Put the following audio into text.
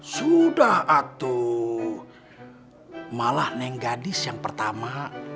sudah atau malah neng gadis yang pertama